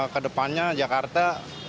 ke depannya jakarta